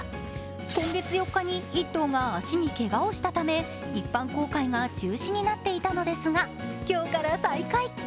今月４日に１頭が足をけがしたため一般公開が中止になっていたのですが、今日から再開。